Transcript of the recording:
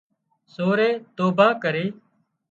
سورئي توڀان ڪري